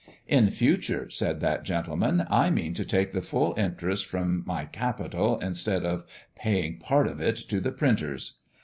"In future," said that gentleman, "I mean to take the full interest from my capital instead of paying part of it to the printers."